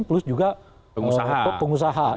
plus juga pengusaha